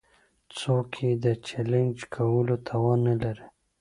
څوک يې د چلېنج کولو توان نه لري.